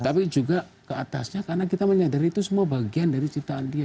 tapi juga keatasnya karena kita menyadari itu semua bagian dari cinta dia